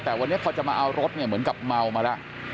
แต่วันนี้พอจะมาเอารถเนี่ยเหมือนกับเมามาแล้ว